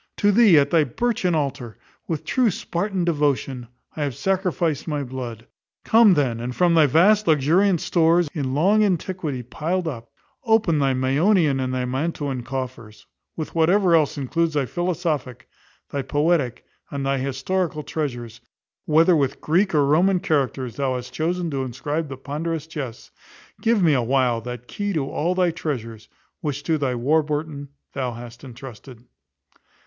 To thee, at thy birchen altar, with true Spartan devotion, I have sacrificed my blood. Come then, and from thy vast, luxuriant stores, in long antiquity piled up, pour forth the rich profusion. Open thy Maeonian and thy Mantuan coffers, with whatever else includes thy philosophic, thy poetic, and thy historical treasures, whether with Greek or Roman characters thou hast chosen to inscribe the ponderous chests: give me a while that key to all thy treasures, which to thy Warburton thou hast entrusted.